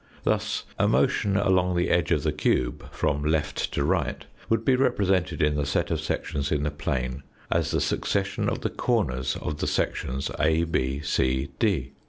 Thus, a motion along the edge of the cube from left to right would be represented in the set of sections in the plane as the succession of the corners of the sections A, B, c, D.